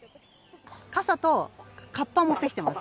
傘とかっぱ持ってきています。